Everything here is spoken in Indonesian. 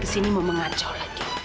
di sini mau mengacau lagi